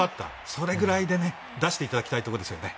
それくらいで出していただきたいところですね。